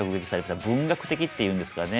文学的っていうんですかね